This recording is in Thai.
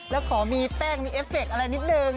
แล้วขอมีแป้งมีเอฟเฟคอะไรนิดนึง